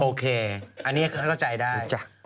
โอเคอันนี้ให้เข้าใจได้